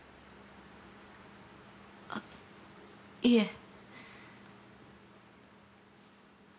あっいえ。